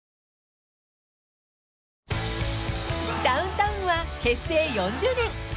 ［ダウンタウンは結成４０年］